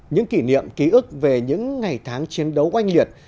những kỷ niệm ký ức về những ngày tháng chiến đấu oanh liệt